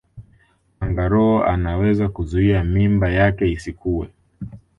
kangaroo anaweza kuzuia mimba yake isikue